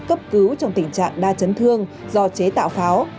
cấp cứu trong tình trạng đa chấn thương do chế tạo pháo